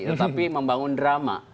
tetapi membangun drama